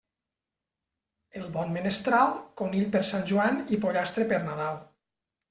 El bon menestral, conill per Sant Joan i pollastre per Nadal.